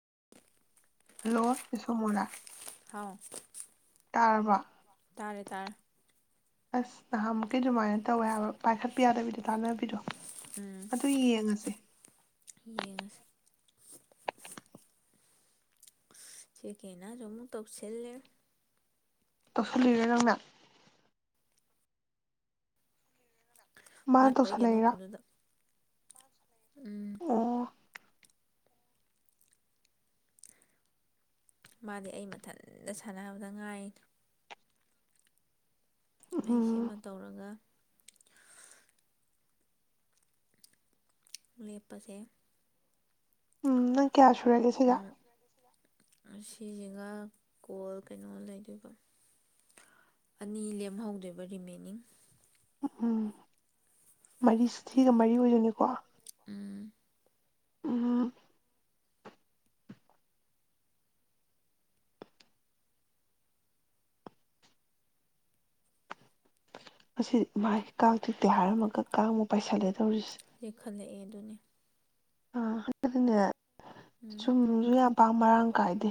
[inaudible] Hello ꯁ‌ꯣꯃꯣꯂꯥ ꯑꯧ ꯇꯥꯔꯦ ꯇꯥꯔꯦ ꯑꯁ ꯅꯍꯥꯟꯃꯨꯛꯀꯤ ꯗꯨꯃꯥꯏꯅ ꯇꯧꯋꯦ ꯍꯥꯏꯕ ꯄꯥꯏꯈꯠꯄꯤ ꯌꯥꯗꯕꯤꯗꯣ ꯇꯥꯟꯅꯕꯤꯗꯣ ꯎꯝ ꯑꯗꯨ ꯌꯦꯡꯉꯁꯦ ꯌꯦꯡꯉꯁꯦ ꯁꯤ ꯀꯩꯅꯁꯨ ꯃꯨꯛ ꯇꯧꯁꯤꯜꯂꯦ ꯇꯧꯁꯤꯜꯂꯨꯏꯔꯣ ꯅꯪꯅ ꯃꯥꯅ ꯃꯥꯄꯒꯤ ꯑꯃ ꯇꯧꯁꯜꯂꯛꯏꯔꯣ ꯐꯣꯟꯗꯨꯗ ꯎꯝ ꯑꯣ ꯃꯥꯗꯤ ꯑꯩ ꯃꯊꯟꯇ ꯁꯥꯟꯅꯕꯗ ꯉꯥꯏ ꯑꯩ ꯎꯝ ꯁꯤꯃ ꯇꯧꯔꯒ ꯂꯦꯞꯄꯁꯦ ꯎꯝ ꯅꯪ ꯀꯌꯥ ꯁꯨꯨꯔꯒꯦ ꯁꯤꯒ ꯑꯁꯤꯁꯤꯒ ꯀꯣꯜ ꯀꯩꯅꯣ ꯂꯩꯗꯣꯏꯕ ꯑꯅꯤ ꯂꯦꯝꯍꯧꯗꯣꯏꯕ ꯔꯤꯃꯦꯟꯅꯤꯡ ꯎꯝ ꯃꯔꯤ ꯁꯤ ꯊꯤꯒ ꯃꯔꯤ ꯑꯣꯏꯗꯣꯏꯅꯤꯀꯣ ꯎꯝ ꯎꯝꯍꯨꯝ ꯑꯁꯤ ꯃꯥꯥꯏ ꯀꯥꯡ ꯇꯤꯛꯇꯦ ꯍꯥꯏꯔꯝꯃꯒ ꯀꯥꯡꯃꯨꯛ ꯄꯥꯏꯁꯤꯜ ꯂꯛꯑꯦ ꯗꯧꯔꯤꯁꯦ ꯌꯦꯛꯈꯠꯂꯛꯑꯦ ꯑꯗꯨꯅꯦ ꯑ ꯍ ꯑꯗꯨꯅꯦ ꯎꯝ ꯁꯨꯝꯖꯨ ꯌꯥꯝ ꯄꯥꯥꯡ ꯃꯔꯥꯡ ꯀꯥꯏꯗꯦ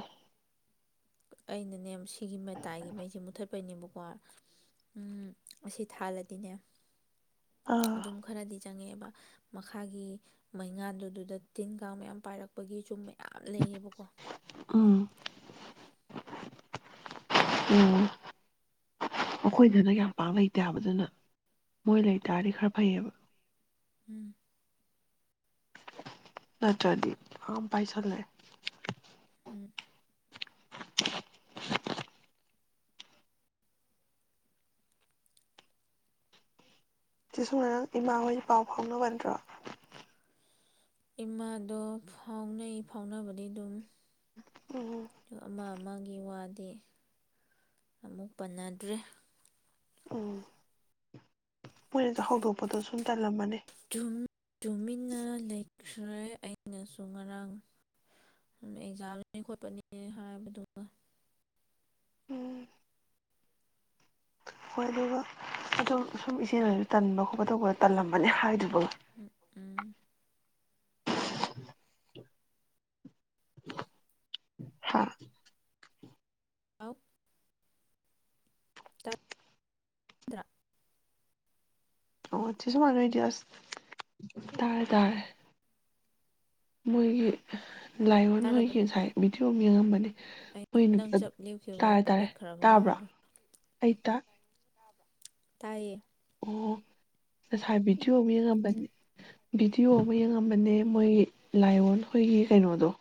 ꯑꯩꯅ ꯅꯦꯝꯁꯤ ꯁꯤꯒꯤ ꯃꯇꯥꯏꯒꯤ ꯃꯩꯁꯤ ꯃꯨꯠꯊꯠ ꯄꯩꯅꯦꯕꯀꯣ ꯎꯝ ꯑꯁꯤ ꯊꯥꯜꯂꯥꯗꯤꯅꯦ ꯑꯥ ꯑꯗꯨꯝ ꯈꯔꯗꯤ ꯆꯪꯉꯛꯑꯦꯕ ꯃꯈꯥꯒꯤ ꯃꯩꯉꯥꯜꯗꯨꯗ ꯇꯤꯟ ꯀꯥꯡ ꯃꯌꯥꯝ ꯄꯥꯏꯔꯛꯄꯒꯤ ꯆꯨꯝ ꯌꯥꯝ ꯂꯩꯌꯦꯕꯀꯣ ꯎꯝ ꯎꯝ ꯑꯩꯈꯣꯏꯗꯅ ꯌꯥꯝ ꯄꯥꯛ ꯂꯩꯇꯦꯕ ꯗꯨꯅ ꯃꯣꯏ ꯂꯩ ꯇꯥꯔꯗꯤ ꯈꯔ ꯐꯩꯌꯦꯕ ꯎꯝ ꯅꯠꯇ꯭ꯔꯥꯗꯤ ꯌꯥꯝ ꯄꯥꯏꯁꯜꯂꯛꯑꯦ ꯎꯝ ꯁꯤꯁꯨ ꯉꯔꯥꯡ ꯏꯃꯥꯍꯣꯏ ꯄꯥꯎ ꯐꯥꯎꯅꯕ ꯅꯠꯇ꯭ꯔꯣ ꯏꯃꯥꯗꯣ ꯐꯥꯎꯅꯩ ꯐꯥꯎꯅꯕꯗꯤ ꯑꯗꯨꯝ ꯎꯝ ꯑꯃ ꯑꯃꯒꯤ ꯋꯥꯗꯤ ꯑꯃꯨꯛ ꯄꯟꯅꯗ꯭ꯔꯦ ꯎꯝ ꯃꯣꯏꯅꯁꯨ ꯍꯧꯗꯣꯛꯄꯗꯣ ꯁꯨꯝ ꯇꯜꯂꯝꯃꯅꯤ ꯇꯨ ꯇꯨꯃꯤꯟꯅ ꯂꯩꯈ꯭ꯔꯦ ꯑꯩꯅꯁꯨ ꯉꯔꯥꯡ ꯑꯦꯛꯖꯥꯝꯅꯤ ꯈꯣꯠꯄꯅꯦ ꯍꯥꯏꯕꯗꯨꯅ ꯎꯝ ꯍꯣꯏ ꯑꯗꯨꯒ ꯑꯗꯨꯝ ꯁꯨꯝ ꯏꯆꯦꯅꯁꯨ ꯇꯟꯕ ꯈꯣꯠꯄ ꯇꯧꯕꯗ ꯇꯜꯂꯝ ꯃꯅꯤ ꯍꯥꯏꯗꯨꯕ ꯍꯝ ꯎꯝ ꯍꯥꯥ ꯑꯐ ꯗꯥꯥ ꯑꯣ ꯆꯁꯨ ꯃꯅ ꯏꯗꯤꯌꯥꯁ ꯇꯔꯦ ꯇꯔꯦ ꯃꯣꯏꯒꯤ ꯂꯥꯏꯑꯣꯟ ꯇꯥꯔꯕꯣ ꯍꯣꯏꯒꯤ ꯉꯁꯥꯏ ꯚꯗꯤꯑꯣ ꯑꯃ ꯌꯦꯡꯉꯝꯕꯅꯦ ꯑꯩ ꯃꯣꯏ ꯅꯪ ꯆꯞ ꯇꯥꯔ ꯂꯦꯞꯈꯤꯕꯗꯨꯗ ꯇꯥꯔꯦ ꯇꯠꯈ꯭ꯔꯕ ꯇꯥꯕ꯭ꯔꯥ ꯃꯥꯜꯂꯨꯔꯦ ꯑꯩꯇ ꯇꯥꯏꯌꯦ ꯑꯣ ꯉꯁꯥꯏ ꯚꯤꯗꯤꯑꯣ ꯑꯃ ꯌꯦꯡꯉꯝꯕꯅꯦ ꯃꯣꯏꯒꯤ ꯂꯥꯏꯑꯣꯟꯈꯣꯏꯒꯤ ꯀꯩꯅꯣꯗꯣꯏ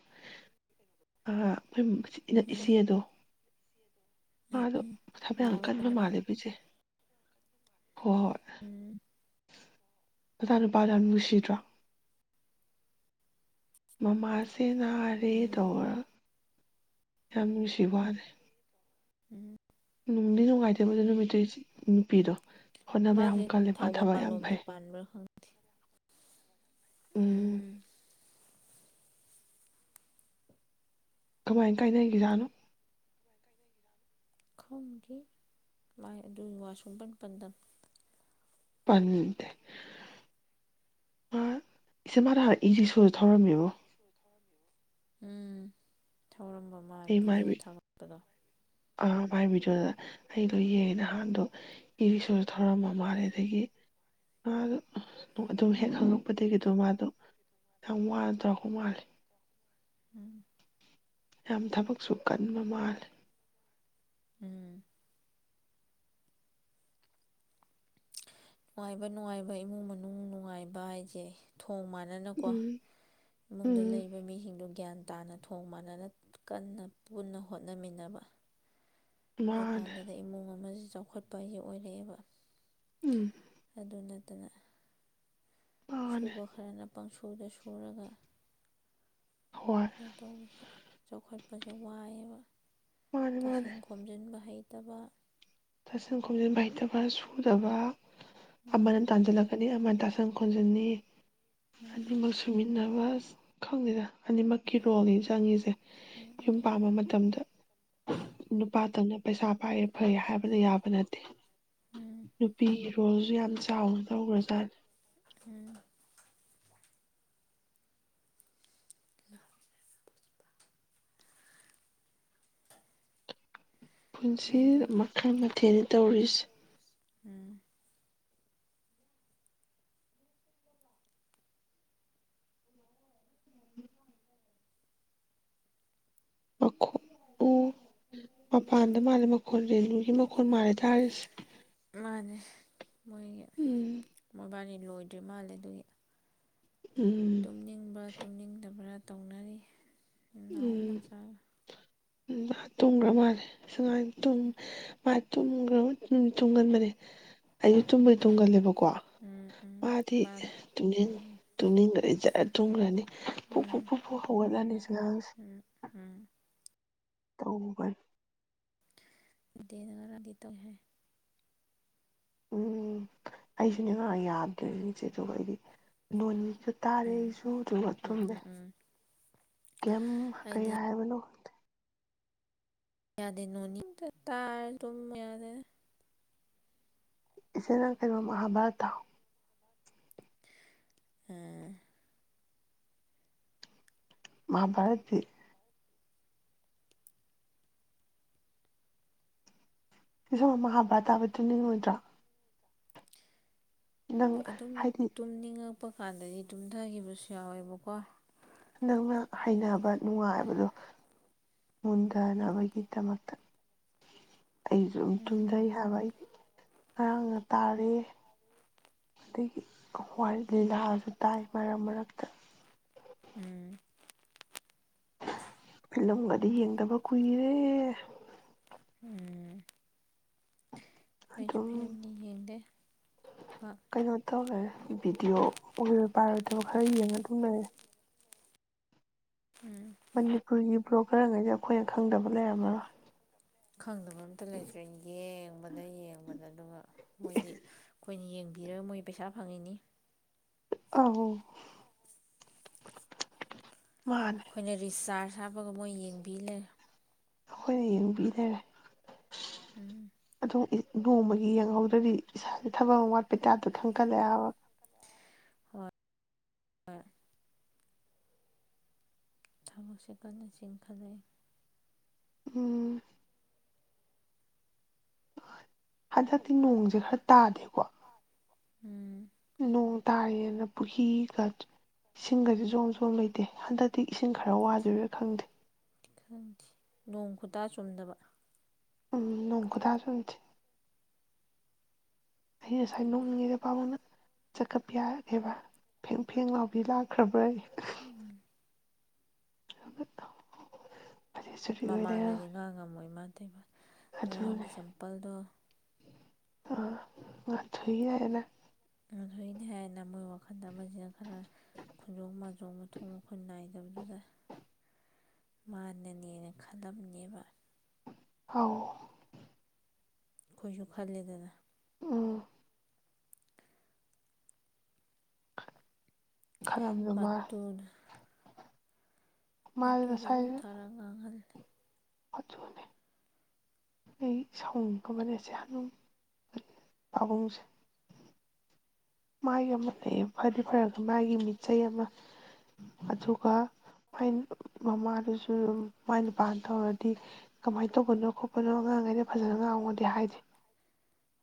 ꯎꯝ ꯏꯆꯦꯗꯣ ꯎꯝ ꯃꯥꯗꯣ ꯎꯝ ꯊꯕꯛ ꯌꯥꯝ ꯀꯟꯕꯥ ꯅꯥꯕꯒꯤꯔ ꯃꯥꯜꯂꯦ ꯄꯤꯁꯦ ꯍꯣꯏ ꯎꯝ ꯑꯣꯖ ꯅꯨꯄꯥꯗꯨ ꯌꯥꯝ ꯅꯨꯡꯁꯤꯗ꯭ꯔꯣ ꯃꯃꯥꯁ ꯇꯦꯟꯅꯔꯦ ꯎꯝ ꯇꯧꯔꯥ ꯌꯥꯝ ꯅꯨꯡꯁꯤꯕꯥ ꯋꯥꯅꯦ ꯎꯝ ꯅꯨꯡꯗꯤ ꯅꯨꯡꯉꯥꯏꯇꯦꯕꯗ ꯅꯨꯃꯤꯇꯩ ꯅꯨꯄꯤꯗꯣ ꯍꯣꯠꯅꯕ ꯌꯥꯝ ꯃꯥꯁꯦ ꯀꯜꯂꯦ ꯃꯥ ꯊꯕꯛ ꯊꯧꯕꯥꯜ ꯌꯥꯝ ꯂꯣꯝꯗ ꯐꯩ ꯄꯥꯟꯕ꯭ꯔꯥ ꯈꯪ [inaudible] ꯎꯝ ꯀꯃꯥꯏ ꯀꯥꯏꯅꯒꯤꯖꯥꯠꯅꯣ ꯈꯡꯒꯤ ꯂꯥꯏ ꯑꯗꯨ ꯋꯥꯁꯔꯨꯝ ꯄꯟ ꯄꯟꯗ ꯄꯟꯇꯦ ꯃꯥ ꯏꯆꯦ ꯃꯥꯅ ꯅꯍꯥꯟ ꯏꯔꯤꯛꯁꯣ ꯊꯧꯔꯝꯃꯦꯕꯣ ꯎꯝ ꯊꯧꯔꯝꯕ ꯃꯥꯜ ꯑꯩ ꯃꯥꯏ ꯚꯤꯗꯤꯑꯣ ꯊꯝꯉꯛꯄꯗꯣ ꯑꯥ ꯃꯥꯏꯃꯤꯠꯇꯨꯗꯥ ꯑꯩꯗꯣ ꯌꯦꯡ ꯅꯍꯥꯟꯗꯣ ꯏꯔꯤꯁꯨꯁꯨ ꯊꯧꯔꯝꯃ ꯃꯥꯜꯂꯦ ꯑꯗꯒꯤ ꯃꯥꯗꯣ ꯑꯗꯨꯝ ꯍꯦꯛ ꯍꯪꯪꯂꯛꯄꯗꯒꯤ ꯑꯗꯨꯝ ꯃꯥꯗꯣ ꯌꯥꯝ ꯋꯥꯅ ꯇꯧꯔꯛꯄ ꯃꯥꯜꯂꯦ ꯎꯝ ꯌꯥꯝ ꯊꯕꯛꯁꯨ ꯀꯟꯕ ꯃꯥꯂꯦ ꯎꯝ ꯅꯨꯡꯉꯥꯏꯕ ꯅꯨꯡꯉꯥꯏꯕ ꯏꯃꯨꯡ ꯃꯅꯨꯡ ꯅꯨꯡꯉꯥꯏꯕ ꯍꯥꯏꯁꯦ ꯊꯣꯡ ꯃꯥꯟꯅꯅꯀꯣ ꯎꯝ ꯏꯃꯨꯡꯗ ꯎꯝ ꯂꯩꯔꯤꯕ ꯃꯤꯁꯤꯡꯗꯨ ꯒ꯭ꯌꯥꯟ ꯇꯥꯟꯅ ꯊꯣꯡ ꯃꯥꯟꯅꯅ ꯀꯟꯅ ꯄꯨꯟꯅ ꯍꯣꯠꯅꯃꯤꯟꯅꯕ ꯃꯥꯅꯦ ꯗꯨꯀꯥꯟꯗꯨꯗ ꯏꯃꯨꯡ ꯑꯃ ꯆꯥꯎꯈꯠꯄ ꯍꯥꯏꯁꯦ ꯑꯣꯏꯔꯛꯑꯦꯕ ꯎꯝ ꯑꯗꯨꯅ ꯇꯅ ꯃꯥꯅꯦ ꯁꯨꯕ ꯈꯔꯅ ꯄꯪꯁꯨꯗ ꯁꯨꯔꯒ ꯍꯣꯏ ꯑꯗꯨꯃ ꯇꯧꯕꯁꯦ ꯆꯥꯎꯈꯠꯄꯁꯦ ꯋꯥꯏꯑꯦꯕ ꯃꯥꯅꯦ ꯃꯥꯅꯦ ꯇꯥꯁꯦꯡ ꯈꯣꯝꯖꯤꯟꯕ ꯍꯩ ꯇꯕ ꯇꯥꯁꯤꯟ ꯈꯣꯝꯖꯤꯟꯕ ꯍꯩꯇꯕ ꯁꯨꯗꯕ ꯑꯃꯅ ꯎꯝ ꯇꯥꯥꯟꯖꯜꯂꯛꯀꯟ ꯑꯃꯅ ꯇꯁꯟ ꯈꯣꯝꯖꯟꯅꯤ ꯎꯝ ꯑꯅꯤꯃꯛ ꯁꯨꯃꯤꯟ ꯅꯕꯁ ꯈꯪꯗꯦꯗ ꯑꯅꯤꯃꯛꯀꯤ ꯔꯣꯜꯅꯤ ꯆꯪꯉꯤꯁꯦ ꯎꯝ ꯌꯨꯝ ꯎꯝ ꯄꯥꯝꯕ ꯃꯇꯝꯗ ꯅꯨꯄꯥꯇꯪꯅ ꯄꯩꯁꯥ ꯄꯥꯏꯌꯦ ꯐꯩ ꯍꯥꯏꯕ ꯌꯥꯕ ꯅꯠꯇꯦ ꯎꯝ ꯅꯨꯄꯤ ꯔꯣꯜꯁꯨ ꯌꯥꯝ ꯆꯥꯎꯅ ꯂꯧꯒ꯭ꯔꯖꯥꯠꯅꯤ ꯎꯝ [unintelligible] ꯄꯨꯟꯁꯤ ꯑꯗꯨꯅꯤ ꯃꯈꯜ ꯃꯊꯦꯜ ꯇꯧꯔꯤꯁꯤ ꯎꯝ ꯑꯈꯣ ꯃꯄꯥꯟꯗ ꯃꯥꯜꯂꯦ ꯃꯈꯣꯜ ꯔꯦꯅꯨꯒꯤ ꯃꯈꯣꯜ ꯃꯥꯜꯂꯦ ꯇꯥꯔꯤꯁꯦ ꯃꯥꯅꯦ ꯃꯣꯏꯒꯤ ꯎꯝ ꯃꯣꯏꯕꯥꯅꯤ ꯂꯣꯏꯗ꯭ꯔꯤ ꯃꯥꯜꯂꯦ ꯑꯗꯨꯒꯤ ꯎꯝ ꯇꯨꯝꯅꯤꯡꯕ꯭ꯔꯥ ꯇꯨꯝꯅꯤꯡꯗꯕ꯭ꯔꯥ ꯇꯧꯅꯔꯤ ꯅꯥꯎ ꯃꯆꯥ ꯎꯝ ꯇꯨꯝꯈꯔ꯭ ꯃꯥꯜꯂꯦ ꯁꯤ ꯑꯉꯥꯡꯁꯦ [unintelligible] ꯇꯨꯝ ꯃꯥ ꯇꯨꯝꯈꯔ꯭ ꯕ ꯎꯝ ꯇꯨꯝꯒꯟꯕꯅꯦ ꯑꯩꯁꯨ ꯇꯨꯝꯕꯩ ꯇꯨꯝꯒꯜꯂꯦꯕꯀꯣ ꯎꯝ ꯎꯝ ꯃꯥꯗꯤ ꯃꯥꯅꯤ ꯇꯨꯡꯅꯤꯡ ꯎꯝ ꯇꯨꯝꯅꯤꯡꯈꯔ꯭ ꯗꯤ ꯖꯔ ꯇꯨꯝꯈꯔ꯭ ꯅꯤ ꯄꯨꯛ ꯎꯝ ꯐꯨꯛ ꯄꯨꯨꯛ ꯐꯨꯛ ꯍꯧꯒꯠꯂꯅꯤ ꯁꯉꯥꯡꯁꯦ ꯎꯝ ꯎꯝ ꯇꯧꯕꯅꯤ [unintelligible] ꯎꯝ ꯑꯩꯁꯨꯅꯦ ꯑꯉꯥꯡ ꯌꯥꯗ꯭ꯔꯦ ꯏꯆꯦ [unintelligible] ꯑꯩꯗꯤ ꯑꯩꯁꯨ ꯇꯥꯔꯦ ꯎꯝ ꯑꯩꯁꯨ ꯆꯨꯝꯕ ꯎꯝ ꯇꯨꯝꯃꯦ ꯎꯝ ꯎꯝ ꯀꯦꯝ ꯀꯩ ꯑꯩꯗꯤ ꯍꯥꯏꯕꯅꯣ ꯌꯥꯗꯦ [unintelligible] ꯇꯥꯏ ꯇꯨꯝ ꯌꯥꯗꯦ ꯏꯆꯦ ꯅꯪ ꯀꯩꯅꯣ ꯃꯍꯥꯚꯥꯔꯠꯇꯥꯎ ꯎꯝ ꯃꯥꯍꯥꯚꯥꯔꯠ [unintelligible] ꯑꯃ ꯍꯥꯕ ꯇꯥꯕꯗꯨ ꯇꯨꯝꯅꯤꯪ ꯉꯣꯏꯗꯔꯥ? [unintelligible] ꯑꯗꯨꯝ ꯍꯥꯏꯗꯤ ꯇꯨꯝꯅꯤꯡꯉꯛ ꯄ ꯀꯥꯟꯗꯗꯤ ꯇꯨꯝꯊꯈꯤꯕꯁꯨ ꯌꯥꯎꯋꯦꯕꯀꯣ꯫ ꯅꯪꯅ ꯍꯩꯅꯕ ꯅꯨꯡꯉꯥꯏꯕꯗꯣ ꯃꯨꯟꯊꯅꯕꯒꯤꯗꯃꯛꯇ ꯑꯩꯁꯨ ꯎꯝ ꯇꯝꯊꯩ ꯍꯥꯏꯕ꯫ ꯉꯔꯥꯡꯅ ꯇꯥꯔꯦ꯫ ꯑꯗꯒꯤ ꯍꯣꯏ ꯂꯤꯂꯥꯁꯨ ꯇꯥꯏ ꯃꯔꯛ- ꯃꯔꯛꯇ꯫ ꯎꯝ꯫ ꯐꯤꯂꯝꯒꯗꯤ ꯌꯦꯡꯗꯕ ꯀꯨꯏꯔꯦ꯫ ꯎꯝ꯫ ꯑꯩꯁꯨ ꯑꯗꯨꯝ ꯐꯤꯂꯝꯗꯤ ꯌꯦꯡꯗꯦ ꯄꯥꯛ ꯀꯩꯅꯣ ꯇꯧꯋꯦ ꯚꯤꯗꯤꯑꯣ ꯑꯣꯏꯔꯣꯏ ꯄꯥꯏꯔꯣꯏꯗꯕ ꯈꯔ ꯌꯦꯡꯉ ꯑꯗꯨꯝ ꯂꯩꯔꯦ꯫ ꯎꯝ ꯃꯅꯤꯄꯨꯔꯤ ꯕ꯭ꯂꯣꯒꯔ ꯉꯩꯖꯦ ꯑꯩꯈꯣꯏꯅ ꯈꯪꯗꯕ ꯂꯩꯔꯝꯃꯔꯣꯏ꯫ ꯐꯪꯗꯕ ꯑꯝꯇ ꯂꯩꯇ꯭ꯔꯦ ꯌꯦꯡꯕꯗ- ꯌꯦꯡꯕꯗ ꯑꯗꯨꯒ ꯃꯣꯏꯗꯤ ꯑꯩꯈꯣꯏꯅ ꯌꯦꯡꯕꯤꯔꯒ ꯃꯣꯏ ꯄꯩꯁꯥ ꯐꯪꯉꯤꯅꯤ꯫ ꯑꯣ꯫ ꯃꯥꯅꯦ ꯑꯩꯈꯣꯏꯅ ꯔꯤꯆꯥꯔꯆ ꯍꯞꯄꯒ ꯃꯣꯏꯒꯤ ꯌꯦꯡꯕꯤ ꯂꯩꯔꯦ꯫ ꯑꯩꯈꯣꯏꯅ ꯌꯦꯡꯕꯤꯂꯩꯔꯦ꯫ ꯎꯝ꯫ ꯅꯣꯡꯃꯒꯤ ꯌꯦꯡꯍꯧꯗ꯭ꯔꯗꯤ ꯏꯁꯥꯥꯁꯦ ꯊꯕꯛ ꯑꯃ ꯋꯥꯠꯄꯩ ꯇꯥꯏꯄꯇ ꯈꯪꯀꯠꯂꯛꯑꯕ꯫ ꯍꯣꯏ -꯫ ꯊꯕꯛꯁꯦ ꯀꯟꯅꯥ ꯆꯤꯟ ꯈꯠ ꯂꯛ ꯏ ꯫ ꯎꯝ꯫ ꯍꯟꯗꯛꯇꯤ ꯅꯣꯡꯁꯦ ꯈꯔ ꯇꯥꯗꯦꯀꯣ꯫ ꯎꯝ꯫ ꯅꯣꯡ ꯇꯥꯔꯤꯅꯦꯅ ꯄꯨꯈꯔ꯭ꯤꯒ ꯏꯁꯤꯡꯒꯁꯦ ꯖꯣꯝ- ꯖꯣꯝ ꯂꯩꯇꯦ ꯍꯟꯗꯛꯇꯤ ꯏꯁꯤꯡ ꯈꯔ ꯋꯥꯗꯣꯏꯔꯥ ꯈꯪꯗꯦ꯫ ꯈꯪꯗꯦ ꯅꯣꯡ ꯈꯨꯇꯥ ꯆꯨꯝꯗꯕ꯫ ꯎꯝ ꯅꯣꯡ ꯈꯨꯇꯥ ꯆꯨꯝꯗꯦ꯫ ꯑꯩ ꯉꯁꯥꯏ ꯅꯣꯛꯅꯤꯡꯅ ꯄꯥꯕꯨꯡꯅ ꯆꯠꯀꯠꯄ ꯌꯥꯒꯦꯕ ꯐꯦꯡ - ꯐꯦꯡ ꯂꯥꯎꯕꯤ ꯂꯥꯛꯈ꯭ꯔꯕ꯭ꯔ ꯌꯦ ꯫ ꯎꯝ [unintelligible] ꯑꯣꯏ ꯂꯩꯔꯝꯃꯦ ꯃꯃꯥꯡꯗꯗꯤ ꯉꯥꯡꯉꯝꯃꯣꯏ ꯃꯥꯥ꯫ [unintelligible] ꯉꯔꯥꯡꯒꯤ ꯆꯝꯄꯜꯗꯣ ꯑ [unintelligible] [unintelligible] ꯑꯃꯖꯤꯟ ꯈꯔ ꯈꯨꯟꯖꯣꯡ - ꯃꯥꯖꯣꯡꯅ ꯊꯣꯡꯉ ꯈꯨꯟ ꯅꯥꯏ ꯑꯗꯨꯗꯨꯗ ꯃꯥꯟꯅꯅꯦꯅ ꯈꯜꯂꯝꯕꯅꯦꯕ꯫ ꯑꯧ꯫ ꯑꯩꯈꯣꯏꯁꯨ ꯈꯜꯂꯤꯗꯅ꯫ ꯎꯝ ꯈꯂꯂꯨꯃꯥ ꯃꯗꯨꯗꯕꯨꯊꯥꯔ ꯉꯥꯡꯍꯜꯜꯂꯤ ꯐꯣꯠꯇꯨꯅꯦ ꯑꯩ ꯁꯑꯣꯨꯡꯒꯕꯅꯦꯁꯦ ꯍ ꯄꯥꯕꯨꯡꯁꯦ ꯃꯥꯒꯤ ꯑꯃ ꯂꯩ ꯐꯗꯤ ꯐꯔꯒ ꯃꯥꯒꯤ ꯃꯤꯠꯆꯩ ꯑꯃ ꯑꯗꯨꯒ ꯃꯥꯏ ꯃꯃꯥꯗꯨꯁꯨ ꯃꯥꯏ ꯅꯨꯄꯥꯅ ꯇꯧꯔꯗꯤ ꯀꯃꯥꯏꯅ ꯇꯧꯕꯅꯣ ꯈꯣꯠꯄꯅꯣ ꯑꯉꯥꯡꯈꯩꯩꯅ ꯐꯖꯅ ꯉꯥꯡꯉꯗꯗꯤ ꯍꯥꯏꯗꯦ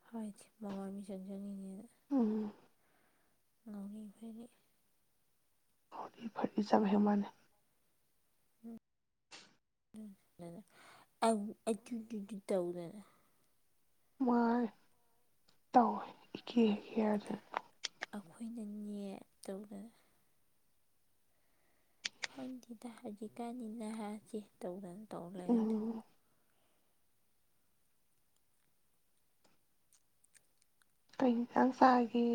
ꯍꯥꯏꯗꯤ ꯃꯃꯥ ꯃꯤꯆꯡ ꯆꯡꯏ ꯅꯦꯅ ꯎꯝ ꯉꯥꯑꯣꯅꯤ ꯐꯔꯤ ꯐꯖꯥ ꯄꯇꯦ ꯆꯥꯐꯦꯀꯃꯅꯩ ꯎꯝ ꯑꯩꯒꯤ ꯇꯧꯗꯅ ꯃꯥ ꯇꯑꯣ ꯑꯦꯀꯥꯍꯛ ꯀꯦꯔ꯭ꯗꯕ ꯑꯩꯈꯣꯏꯅ ꯅꯦ ꯇꯧꯅ ꯈꯪꯗꯦꯗ ꯍꯧꯖꯤꯛꯀꯥꯟꯅꯤ ꯅꯍꯥꯁꯦ ꯇꯧꯗꯅ ꯇꯧꯔ ꯂꯩꯔꯅꯤ ꯎꯝ ꯀꯩ ꯏꯟꯁꯪ ꯆꯥꯔꯦ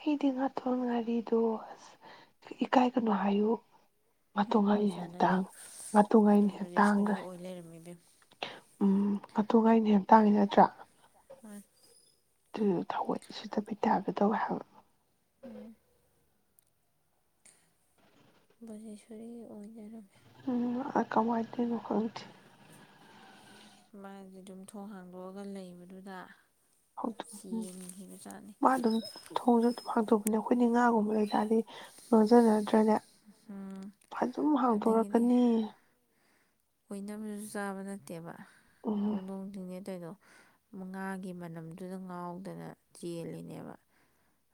ꯑꯩꯗꯤ ꯉꯥꯊꯣꯡ ꯉꯥꯔꯤꯗꯣ ꯑꯦꯀꯥꯏꯒꯅꯣ ꯍꯤꯎ ꯎꯝ ꯑꯗꯨ ꯉꯩ ꯑꯩꯈꯣꯏ ꯆꯥꯟꯅꯔꯤ ꯑꯇꯒ ꯑꯗꯨꯉꯩ ꯑꯗꯨꯝ ꯒꯤ ꯇꯥꯡ ꯕ꯭ꯔꯖꯦꯁꯣꯔꯤ ꯒ ꯑꯣꯏ ꯂꯩꯔꯝꯃꯤ ꯏꯕꯦꯝꯃ ꯎꯃ ꯑꯗꯨ ꯉꯩ ꯒ ꯇꯟꯒꯤ ꯅꯠꯔꯥ [inaudible] ꯑꯗꯨ ꯊꯑꯣꯏ ꯁꯤꯠꯇꯕꯩ ꯇꯥꯒꯗꯧꯋꯦ ꯍꯥꯏꯕ ꯎꯝ ꯕꯦꯖꯥꯁꯣꯔꯤ ꯑꯣꯏ ꯂꯩꯔ꯭ꯃꯦ ꯎ ꯀꯑꯋꯥꯏꯗꯩꯅꯣ ꯈꯪꯗꯦ ꯃꯟꯗꯤ ꯑꯗꯨꯝ ꯊꯣꯡ ꯍꯥꯡꯗꯣꯛꯑꯒ ꯂꯩꯕꯗꯨꯗ ꯍꯧꯗꯣꯝ ꯅꯤ ꯆꯦꯟꯈꯤꯕ ꯖꯥꯠꯅꯤ ꯃꯅꯥ ꯑꯗꯨꯝ ꯊꯣꯪꯁꯥꯅꯨ ꯑꯗꯨ ꯍꯥꯡꯇꯧꯕꯅꯦ ꯑꯩꯈꯣꯏꯗꯤ ꯉꯥꯒꯨꯝꯕ ꯂꯩꯇꯥꯥꯔꯗꯤ ꯉꯥꯡꯖꯅ [unintelligible] ꯔꯥꯅꯦ ꯎꯝ ꯐꯥꯅꯨꯝ ꯑꯗꯒꯤꯗꯤ ꯍꯥꯡꯗꯣꯔꯛꯀꯅꯤ ꯑꯣꯏꯅꯕꯁꯨ ꯆꯥꯕꯥ ꯅꯥꯇꯦꯕꯥ ꯎꯝ ꯍꯧꯗꯣꯡ ꯊꯤꯉꯦ ꯇꯧꯗꯨ ꯉꯥꯒꯤ ꯃꯅꯝꯗꯨꯗ ꯉꯥꯎꯗꯅ ꯆꯦꯜꯂꯤꯅꯦꯕ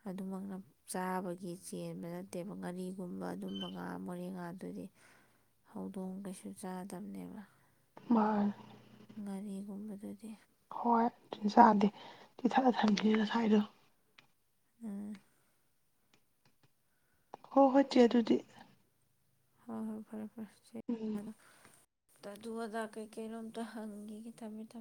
ꯑꯗꯨꯃꯛꯅ ꯆꯥꯕꯒꯤ ꯆꯦꯟꯕ ꯅꯠꯇꯦꯕ ꯉꯥꯔꯤꯒꯨꯝꯕ ꯑꯗꯨꯝꯕ ꯉꯥ ꯃꯣꯔꯦ ꯉꯥꯗꯨꯗꯤ ꯍꯧꯗꯣꯡ ꯀꯩꯁꯨ ꯆꯥꯗ ꯇꯝꯅꯦꯕꯥ ꯃꯥꯔ ꯉꯥꯔꯤꯒꯨꯝꯕꯗꯨꯗꯤ ꯍꯣꯏ ꯑꯗꯨꯤꯟ ꯆꯥꯗꯦ ꯏꯤꯊꯠꯂ ꯊꯝꯈꯤꯅꯤ ꯉꯁꯥꯏꯗꯣ ꯎꯝ ꯍꯣꯏ ꯍꯣꯏ ꯆꯦ ꯑꯗꯨꯗꯤ ꯍꯣꯏ ꯍꯣꯏ ꯐꯔꯦ ꯎꯝ ꯐꯔꯦ [inaudible] ꯇꯥꯗꯨ ꯑꯗꯥ ꯀꯩꯀꯩꯔꯣꯝꯇ ꯍꯪꯈꯤꯒꯦ ꯊꯝꯃꯦ ꯊꯝꯃꯦ